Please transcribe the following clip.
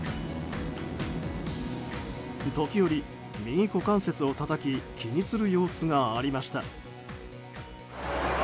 時折、右股関節をたたき気にする様子がありました。